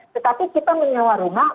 tetapi kita menyewa rumah